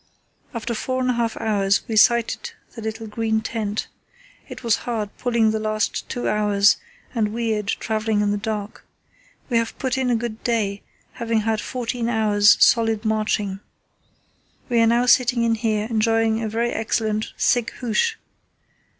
After four and a half hours we sighted the little green tent. It was hard pulling the last two hours and weird travelling in the dark. We have put in a good day, having had fourteen hours' solid marching. We are now sitting in here enjoying a very excellent thick hoosh.